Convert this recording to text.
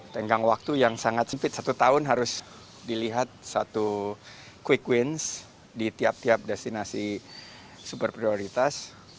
tenggang waktu yang sangat sempit satu tahun harus dilihat satu quick wins di tiap tiap destinasi super prioritas